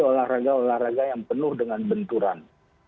olahraga olahraga yang penuh dengan benturan